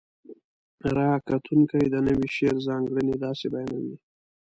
ره کتونکي د نوي شعر ځانګړنې داسې بیانوي: